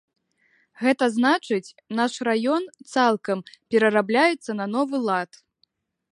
Гэта значыць, наш раён цалкам перарабляецца на новы лад.